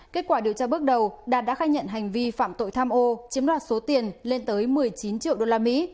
kết quả điều tra bước đầu đạt đã khai nhận hành vi phạm tội tham ô chiếm đoạt số tiền lên tới một mươi chín triệu usd